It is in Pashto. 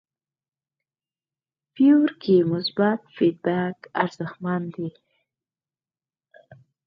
فیور کې مثبت فیډبک ارزښتمن دی.